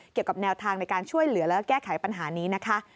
เกี่ยวกับแนวทางในการช่วยเหลือแล้วก็แก้ไขปัญหานี้นะคะ